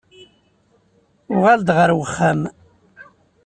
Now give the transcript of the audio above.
Uɣal-d ɣer wexxam.